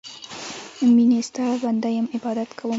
میینې ستا بنده یم عبادت کوم